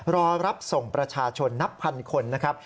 รอรับส่งประชาชนนับพันคนนะครับ